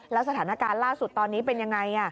แล้วสถานการณ์ล่าสุดตอนนี้เป็นยังไง